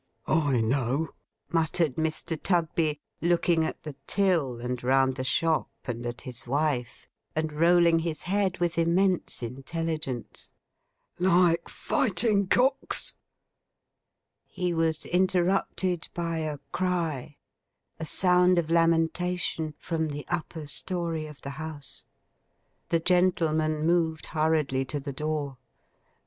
'I know,' muttered Mr. Tugby; looking at the till, and round the shop, and at his wife; and rolling his head with immense intelligence. 'Like Fighting Cocks!' He was interrupted by a cry—a sound of lamentation—from the upper story of the house. The gentleman moved hurriedly to the door.